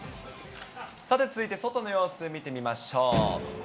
さて、続いて外の様子見てみましょう。